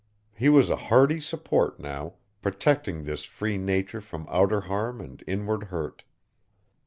He was a hardy support now, protecting this free nature from outer harm and inward hurt.